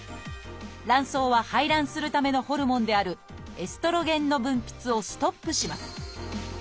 卵巣は排卵するためのホルモンであるエストロゲンの分泌をストップします。